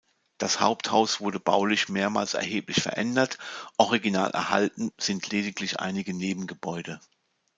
Das Haupthaus wurde baulich mehrmals erheblich verändert, original erhalten sind lediglich einige Nebengebäude.